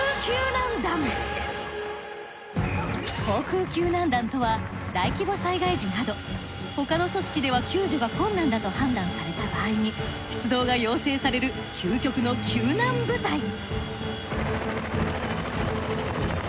航空救難団とは大規模災害時など他の組織では救助が困難だと判断された場合に出動が要請される究極の救難部隊。